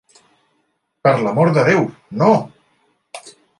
Per l'amor de Déu, no!